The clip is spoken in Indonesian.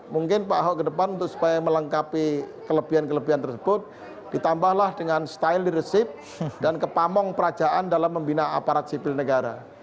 mungkin pak ahok ke depan untuk supaya melengkapi kelebihan kelebihan tersebut ditambahlah dengan style leadership dan kepamong perajaan dalam membina aparat sipil negara